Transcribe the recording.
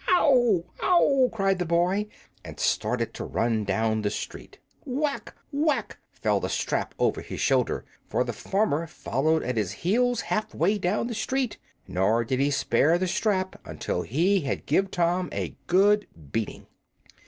"Ow, ow!" cried the boy, and started to run down the street. Whack! whack! fell the strap over his shoulders, for the farmer followed at his heels half way down the street, nor did he spare the strap until he had given Tom a good beating.